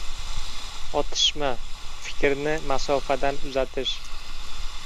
— Otishma – fikrni masofadan uzatish.